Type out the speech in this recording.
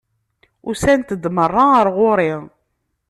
Usant-d meṛṛa ar ɣur-i!